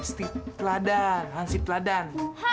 steve teladan hansip teladan